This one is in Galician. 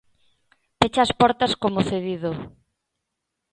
Pecha as portas como cedido.